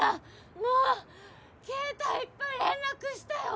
携帯いっぱい連絡したよ！